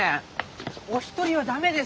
お一人はダメですって。